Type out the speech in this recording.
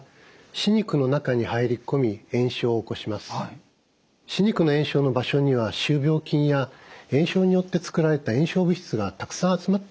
歯肉の炎症の場所には歯周病菌や炎症によって作られた炎症物質がたくさん集まってるわけですね。